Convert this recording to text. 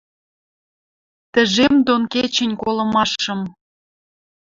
Тӹжем дон кечӹнь колымашым